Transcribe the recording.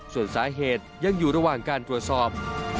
ส่วนสาเหตุยังอยู่ระหว่างการตรวจสอบ